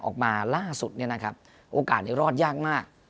ออกมาล่าสุดโอกาสรอดยากมาก